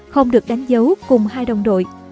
không được đánh dấu cùng hai đồng đội